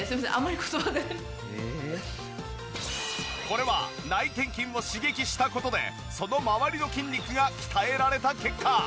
これは内転筋を刺激した事でそのまわりの筋肉が鍛えられた結果。